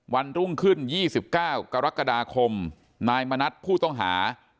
วันรุ่งขึ้น๒๙กรกฎาคมนายมณัฐผู้ต้องหา